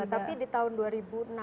tapi di tahun